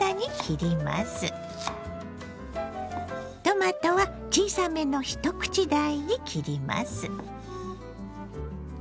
トマトは小さめの一口大に切ります。